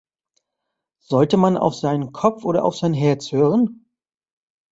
Sollte man auf seinen Kopf oder auf sein Herz hören?